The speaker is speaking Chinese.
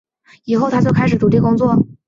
以后他就开始独立工作。